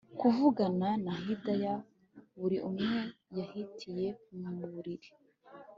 kuvugana na Hidaya buri umwe yahitiye muburiri